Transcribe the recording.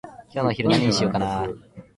今日のお昼何にしようかなー？